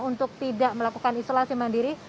untuk tidak melakukan isolasi mandiri